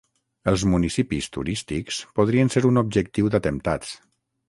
Els municipis turístics podrien ser un objectiu d'atemptats.